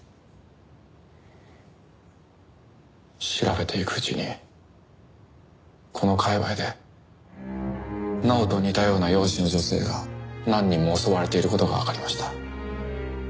調べていくうちにこの界隈で奈緒と似たような容姿の女性が何人も襲われている事がわかりました。